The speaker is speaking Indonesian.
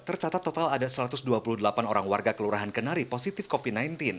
tercatat total ada satu ratus dua puluh delapan orang warga kelurahan kenari positif covid sembilan belas